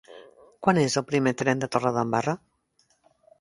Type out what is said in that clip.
Quan és el primer tren de Torredembarra?